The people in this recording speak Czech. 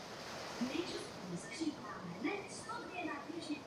Tato oblast se výrazně podobá předchozí.